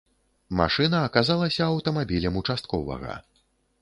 Машына аказалася аўтамабілем участковага.